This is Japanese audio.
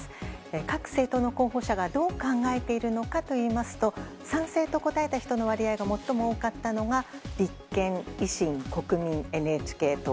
各党の候補者がどう思っているのか聞くと賛成と答えた人の割合が最も多かったのが立憲、維新、ＮＨＫ党。